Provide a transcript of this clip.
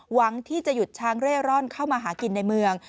หวังที่จะหยุดช้างเร่ร่อนเข้ามาหากินในเมือง